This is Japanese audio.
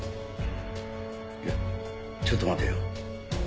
いやちょっと待てよ。